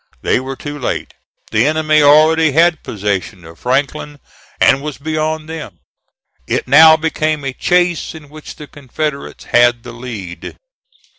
They were too late. The enemy already had possession of Franklin, and was beyond them. It now became a chase in which the Confederates had the lead.